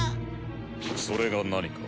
それが何か？